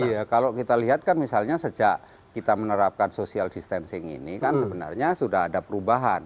iya kalau kita lihat kan misalnya sejak kita menerapkan social distancing ini kan sebenarnya sudah ada perubahan